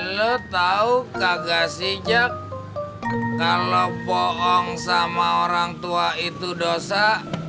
lo tahu kakak sijak kalau bohong sama orang tua itu dosa